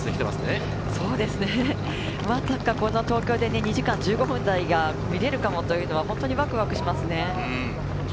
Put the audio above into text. まさかこの東京で２時間１５分台が見れるかもというのはワクワクしますね。